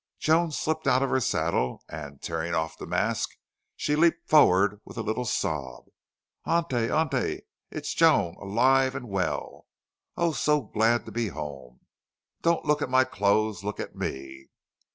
Joan slipped out of her saddle and, tearing off the mask, she leaped forward with a little sob. "Auntie! Auntie!... It's Joan alive well!... Oh, so glad to be home!... Don't look at my clothes look at me!"